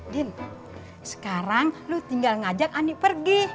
din sekarang lo tinggal ngajak ani pergi